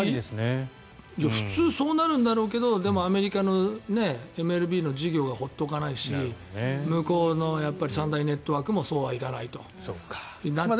普通そうなるんだろうけどでもアメリカのＭＬＢの事業が放っておかないし向こうの三大ネットワークもそうはいかないとなっちゃう。